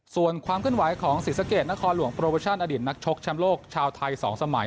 ส่วนความขึ้นไหวของศิษย์สเกตนครหลวงโปรโปรเมอร์ชั่นอดินนักชกชามโลกชาวไทย๒สมัย